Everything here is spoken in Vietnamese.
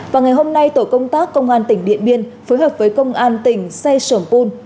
và ngày hôm nay tổ công tác công an tỉnh điện biên phối hợp với công an tỉnh xe sởm pôn